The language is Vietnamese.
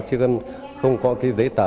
chứ không có giấy tờ